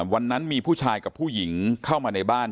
วันนั้นมีผู้ชายกับผู้หญิงเข้ามาในบ้าน